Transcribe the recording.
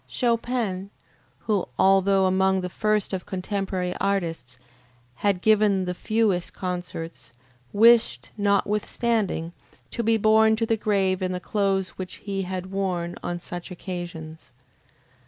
Chopin, who, although among the first of contemporary artists, had given the fewest concerts, wished, notwithstanding, to be borne to the grave in the clothes which he had worn on such occasions.